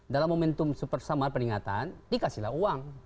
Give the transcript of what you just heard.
dalam momentum sepersama peringatan dikasihlah uang